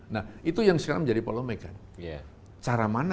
nah itu yang sekarang menjadi polemik kan